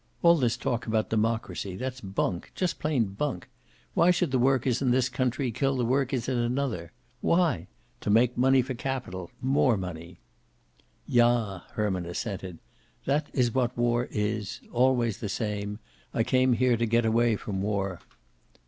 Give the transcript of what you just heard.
"All this talk about democracy that's bunk. Just plain bunk. Why should the workers in this country kill the workers in another? Why? To make money for capital more money." "Ja," Herman assented. "That is what war is. Always the same. I came here to get away from war."